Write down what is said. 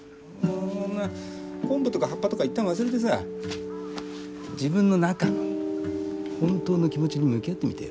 昆布とか葉っぱとか一旦忘れてさ自分の中の本当の気持ちに向き合ってみてよ。